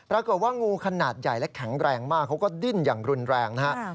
งูขนาดใหญ่และแข็งแรงมากเขาก็ดิ้นอย่างรุนแรงนะฮะ